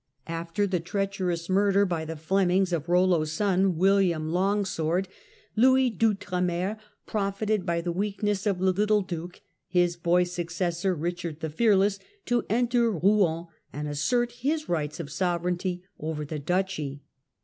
After the treacherous murder by the Flem ings of Eollo's son, William Longsword, Louis d'Outre mer profited by the weakness of the " Little Duke," his boy successor, Eichard the Fearless, to enter Eouen and assert his rights of sovereignty over the duchy.